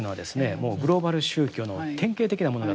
もうグローバル宗教の典型的なものだと思います。